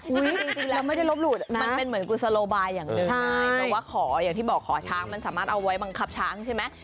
จริงแล้วไม่ได้ลบหลุดนะแล้วแต่ว่าขออย่างที่บอกขอช้างมันสามารถเอาไว้บังคับช้างใช่ไหม